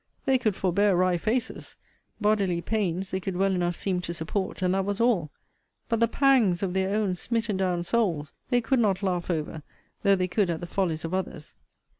They could forbear wry faces: bodily pains they could well enough seem to support; and that was all: but the pangs of their own smitten down souls they could not laugh over, though they could at the follies of others.